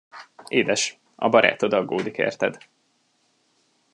Édes, a barátod aggódik érted.